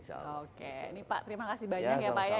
oke ini pak terima kasih banyak ya pak ya